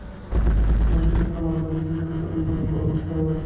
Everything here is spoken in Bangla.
তিনি আমসইয়া ঘোষণার মাধ্যমে দেশের স্বাধীনতা বিপন্ন বলে ঘোষণা করেন।